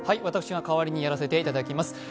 私が代わりにやらせていただきます。